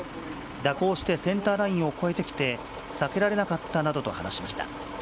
蛇行してセンターラインを越えてきて、避けられなかったなどと話しました。